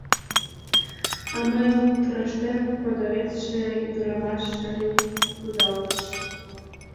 А мыйын тураштем продавецше ӱдырамаш лийын кудалтыш.